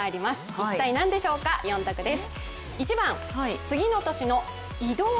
一体なんでしょうか、４択です。